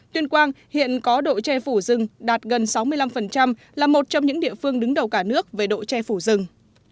tuyên quang hiện có độ che phủ rừng đạt gần sáu mươi năm là một trong những địa phương đứng đầu cả nước về độ che phủ rừng